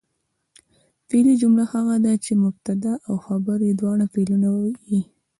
فعلي جمله هغه ده، چي مبتدا او خبر ئې دواړه فعلونه يي.